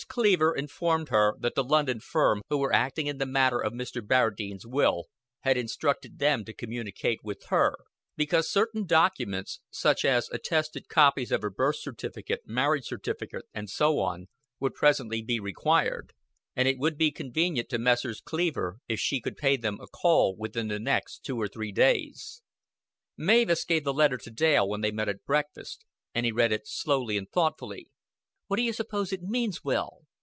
Cleaver informed her that the London firm who were acting in the matter of Mr. Barradine's will had instructed them to communicate with her, because certain documents such as attested copies of her birth certificate, marriage certificate, and so on would presently be required; and it would be convenient to Messrs. Cleaver, if she could pay them a call within the next two or three days. Mavis gave the letter to Dale when they met at breakfast, and he read it slowly and thoughtfully. "What do you suppose it means, Will?"